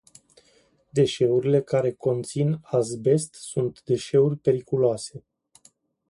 Deșeurile care conțin azbest sunt deșeuri periculoase.